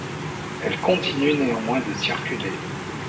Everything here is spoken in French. Elle continue néanmoins de circuler.